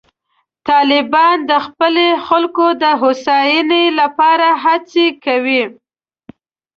طالبان د خپلو خلکو د هوساینې لپاره هڅې کوي.